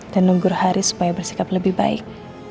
dan nunggur hari supaya bersikap lebih baik